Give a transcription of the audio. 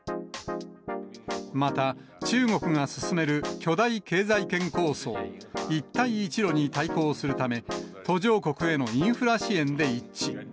また、中国が進める巨大経済圏構想、一帯一路に対抗するため、途上国へのインフラ支援で一致。